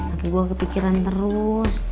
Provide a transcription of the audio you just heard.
aku gue kepikiran terus